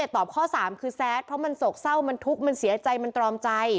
ตอบข้อ๓คือแซดเพราะมันโศกเศร้ามันทุกข์มันเสียใจมันตรอมใจ